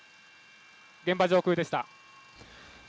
現場上空でした。